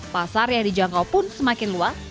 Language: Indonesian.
pasar yang dijangkau pun semakin luas